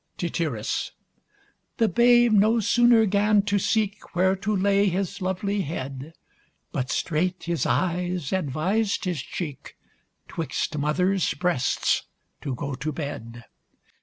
Tityrus. The babe no sooner 'gan to seek Where to lay his lovely head, But straight his eyes advis'd his cheek, 'Twixt mother's breasts to go to bed.